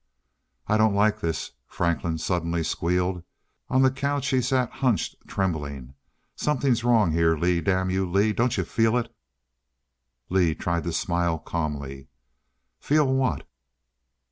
"I I don't like this," Franklin suddenly squealed. On the couch he sat hunched, trembling. "Something wrong here Lee damn you Lee don't you feel it?" Lee tried to smile calmly. "Feel what?"